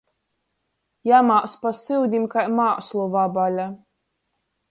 Jamās pa syudim kai māslu vabale.